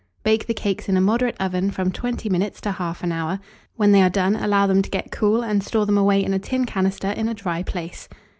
Bake the cakes in a moderate oven from 20 minutes to 1/2 hour; when they are done, allow them to get cool, and store them away in a tin canister, in a dry place.